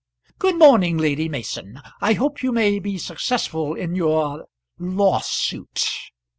Good morning, Lady Mason; I hope you may be successful in your lawsuit."